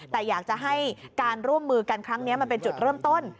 แต่อยากจะให้การร่วมมือกันครั้งนี้มันเป็นจุดเริ่มต้น